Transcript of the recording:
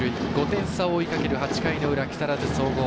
５点差を追いかける８回の裏、木更津総合。